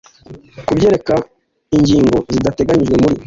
Ku byerekeye ingigno zidateganyijwe muri